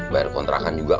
bayar kontrakan juga